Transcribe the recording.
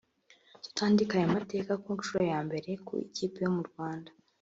tukandika aya meteka ku nshuro ya mbere ku ikipe yo mu Rwanda